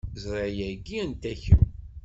Ẓriɣ yagi anta kemm.